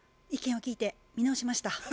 意見を聞いて見直しました。